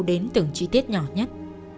đến từng trí tiết nhỏ nhất